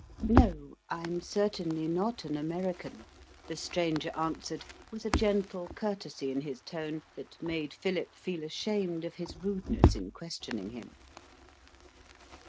"No, I'm certainly not an American," the stranger answered with a gentle courtesy in his tone that made Philip feel ashamed of his rudeness in questioning him.